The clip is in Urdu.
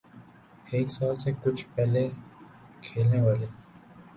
ایک سال سے کچھ پہلے کھلنے والے